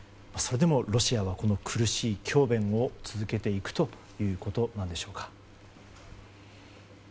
それでも、ロシアはこの苦しい強弁を続けていくということなのでしょうか。